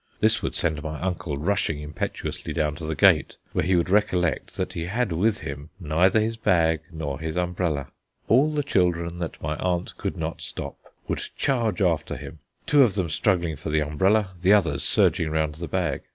This would send my uncle rushing impetuously down to the gate, where he would recollect that he had with him neither his bag nor his umbrella. All the children that my aunt could not stop would charge after him, two of them struggling for the umbrella, the others surging round the bag.